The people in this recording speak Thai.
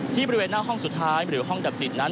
บริเวณหน้าห้องสุดท้ายหรือห้องดับจิตนั้น